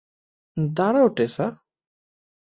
দাঁড়াও, টেসা।